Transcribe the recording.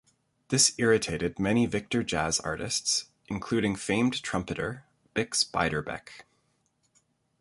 This irritated many Victor jazz artists, including famed trumpeter Bix Beiderbecke.